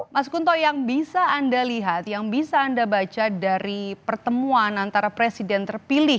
mas kunto yang bisa anda lihat yang bisa anda baca dari pertemuan antara presiden terpilih